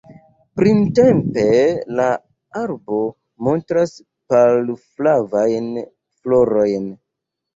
Printempe la arbo montras pal-flavajn florojn.